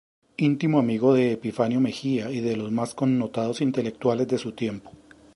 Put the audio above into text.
Intimo amigo de Epifanio Mejía y de los más connotados intelectuales de su tiempo.